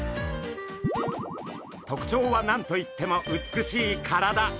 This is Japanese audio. とくちょうは何と言っても美しい体。